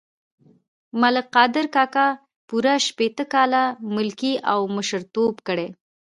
ملک قادر کاکا پوره شپېته کاله ملکي او مشرتوب کړی.